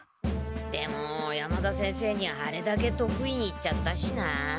でも山田先生にあれだけとく意に言っちゃったしな。